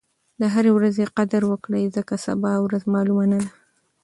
د هرې ورځې قدر وکړئ ځکه سبا ورځ معلومه نه ده.